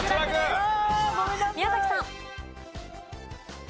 宮崎さん。